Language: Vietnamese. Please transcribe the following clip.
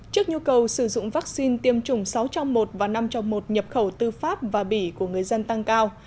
trước nhu cầu sử dụng vaccine tiêm chủng sáu trong một và năm trong một nhập khẩu tư pháp và bỉ của người dân tăng cao